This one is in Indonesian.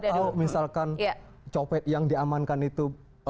bagaimana kita tahu misalkan copet yang diamankan itu